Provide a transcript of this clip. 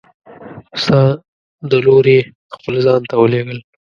ستا د لورې خپل ځان ته ولیږل!